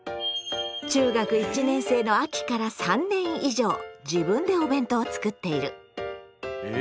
中学１年生の秋から３年以上自分でお弁当を作っている。